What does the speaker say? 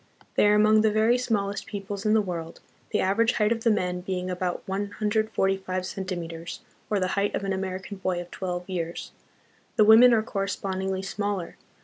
They are among the very smallest peoples in the world, the average height of the men being about 145 centi meters, or the height of an American boy of twelve years ; the women are correspondingly smaller.